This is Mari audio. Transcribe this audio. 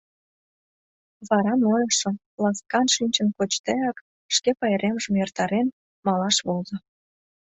Вара нойышо, ласкан шинчын кочдеак, шке пайремжым «эртарен», малаш возо.